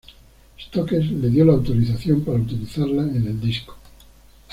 Stokes le dio la autorización para utilizarla en el disco.